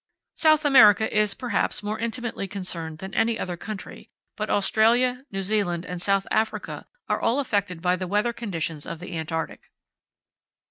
South America is, perhaps, more intimately concerned than any other country, but Australia, New Zealand, and South Africa are all affected by the weather conditions of the Antarctic.